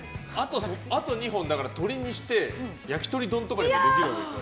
あと２本、鶏にして焼き鳥丼とかにもできるわけでしょ。